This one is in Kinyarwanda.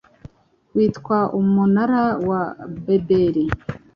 witwa umunara wa Babeli